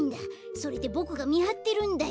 それでボクがみはってるんだよ。